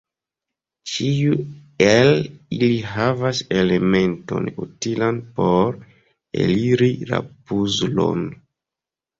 Ĉiu el ili havas elementon utilan por eliri la puzlon.